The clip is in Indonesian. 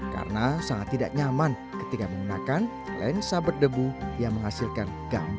karena sangat tidak nyaman ketika menggunakan lensa berdebu yang menghasilkan gamut